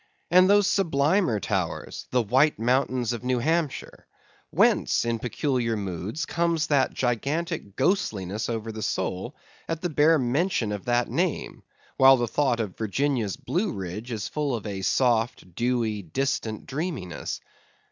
And those sublimer towers, the White Mountains of New Hampshire, whence, in peculiar moods, comes that gigantic ghostliness over the soul at the bare mention of that name, while the thought of Virginia's Blue Ridge is full of a soft, dewy, distant dreaminess?